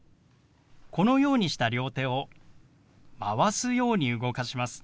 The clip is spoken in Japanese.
このようにした両手を回すように動かします。